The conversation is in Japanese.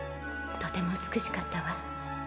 とても美しかったわ。